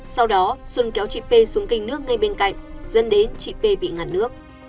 sau đó xuân kéo chị p xuống kênh nước ngay bên cạnh dân đến chị p bị ngặt nước